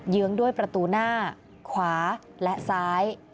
ื้องด้วยประตูหน้าขวาและซ้าย